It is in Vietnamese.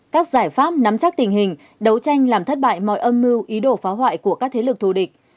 các giải pháp nắm chắc tình hình đấu tranh làm thất bại mọi âm mưu ý đồ phá hoại của các thế lực thù địch